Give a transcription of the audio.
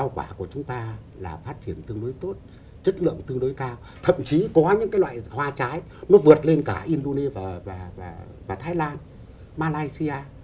rau củ quả của việt nam là phát triển tương đối tốt chất lượng tương đối cao thậm chí có những loại hoa trái nó vượt lên cả indonesia và thái lan malaysia